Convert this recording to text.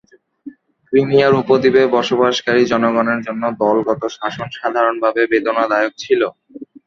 Crimea উপদ্বীপে বসবাসকারী জনগণের জন্য দলগত শাসন সাধারণভাবে বেদনাদায়ক ছিল।